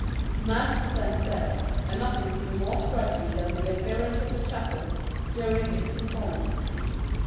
Mass was then said, and nothing could be more striking than the appearance of the chapel during its performance.